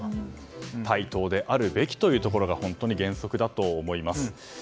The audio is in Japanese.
対等であるべきことが本当に原則だと思います。